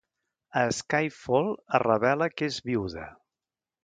A "Skyfall" es revela que és viuda.